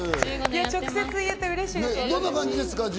直接言えてうれしいです。